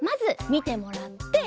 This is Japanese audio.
みてもらって。